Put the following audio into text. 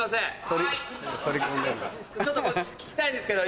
ちょっとこっち聞きたいんですけど。